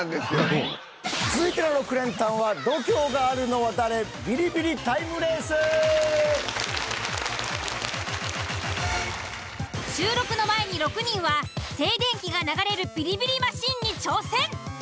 続いての６連単は収録の前に６人は静電気が流れるビリビリマシンに挑戦。